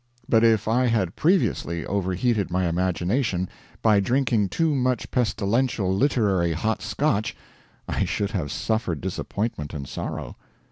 But if I had previously overheated my imagination by drinking too much pestilential literary hot Scotch, I should have suffered disappointment and sorrow.